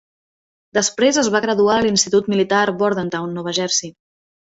Després es va graduar a l'Institut Militar Bordentown, Nova Jersey.